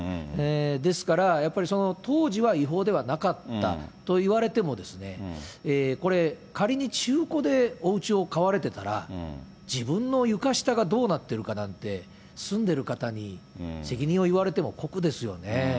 ですから、やっぱりその当時は違法ではなかったといわれても、これ、仮に中古でおうちを買われてたら、自分の床下がどうなってるかなんて、住んでる方に責任を言われても酷ですよね。